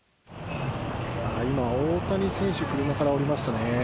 今、大谷選手、車から降りましたね。